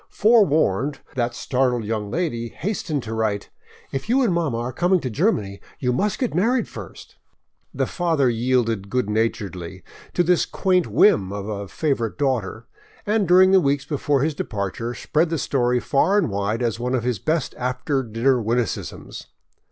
Forewarned, that startled young lady hastened to write: "If you and mama are coming to Germany, you must get married first." The father yielded good naturedly to this quaint whim of a favorite daughter, and during the weeks before his departure, spread the story far and wide as one of his best after dinner witticisms.